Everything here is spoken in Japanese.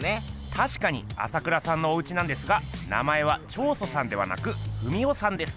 たしかに朝倉さんのおうちなんですが名前は彫塑さんではなく文夫さんです。